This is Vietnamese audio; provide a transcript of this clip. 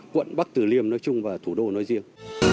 quận bắc tử liêm nói chung và thủ đô nói riêng